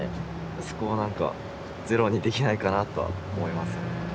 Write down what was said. そこをゼロにできないかなとは思いますね。